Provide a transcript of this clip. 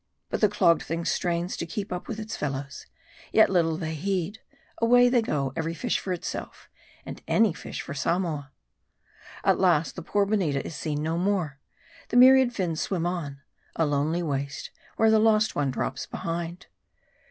But the clogged thing strains to keep up with its fellows. Yet little they heed. Away they go ; every fish for itself, and any fish for Samoa. At last the poor Boneeta is seen no more. The myriad fins swim on ; a lonely waste, where the lost one drops behind.